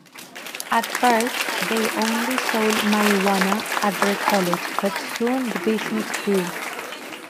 At first, they only sold marijuana at their college, but soon the business grew.